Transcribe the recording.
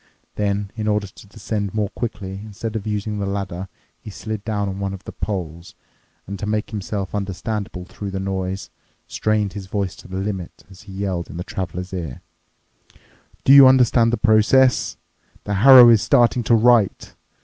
Then, in order to descend more quickly, instead of using the ladder, he slid down on one of the poles and, to make himself understandable through the noise, strained his voice to the limit as he yelled in the traveler's ear, "Do you understand the process? The harrow is starting to write.